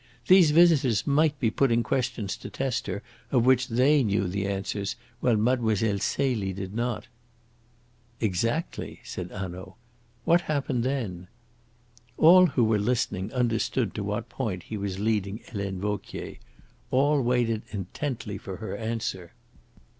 These visitors might be putting questions to test her, of which they knew the answers, while Mlle. Celie did not." "Exactly," said Hanaud. "What happened then?" All who were listening understood to what point he was leading Helene Vauquier. All waited intently for her answer.